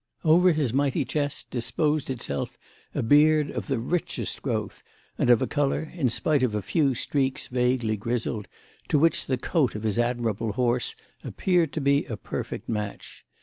Over his mighty chest disposed itself a beard of the richest growth and of a colour, in spite of a few streaks vaguely grizzled, to which the coat of his admirable horse appeared to be a perfect match.